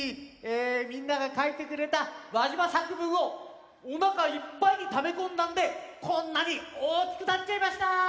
みんながかいてくれたわじま作文をおなかいっぱいにためこんだんでこんなにおおきくなっちゃいました！